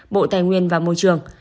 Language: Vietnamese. bộ tài nguyên và môi trường